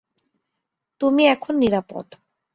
তুমি এখন নিরাপদ।